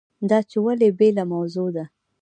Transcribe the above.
دا چې ولې بېله موضوع ده.